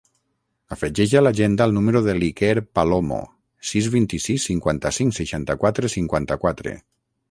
Afegeix a l'agenda el número de l'Iker Palomo: sis, vint-i-sis, cinquanta-cinc, seixanta-quatre, cinquanta-quatre.